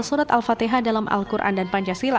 surat al fatihah dalam al quran dan pancasila